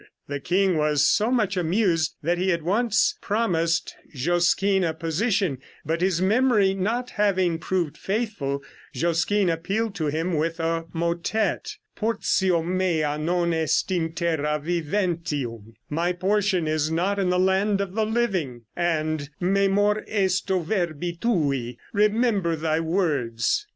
The king was so much amused that he at once promised Josquin a position, but his memory not having proved faithful, Josquin appealed to him with a motette: "Portio mea non est in terra viventium" ("My portion is not in the land of the living"); and "Memor esto verbi tui" ("Remember thy words").